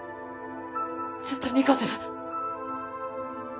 絶対に行かせへん。